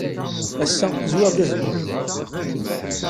Ass-a zwiɣ-d azemmur-nneɣ.